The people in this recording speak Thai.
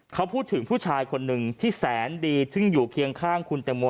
เขาพูดถึงผู้ชายคนหนึ่งที่แสนดีซึ่งอยู่เคียงข้างคุณแตงโม